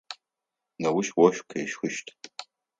Неущ ощх къещхыщт.